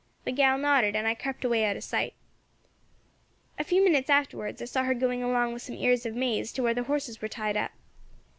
The gal nodded, and I crept away out of sight. "A few minutes afterwards I saw her going along with some ears of maize to where the horses were tied up.